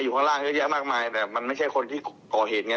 ข้างล่างเยอะแยะมากมายแต่มันไม่ใช่คนที่ก่อเหตุไง